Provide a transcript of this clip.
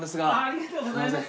ありがとうございます。